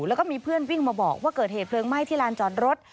แล้วก็มีเพื่อนวิ่งมาบอกว่าเกิดเหตุเพลิงไหม้ที่ลานจอดรถ